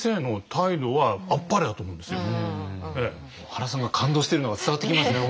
原さんが感動してるのが伝わってきますね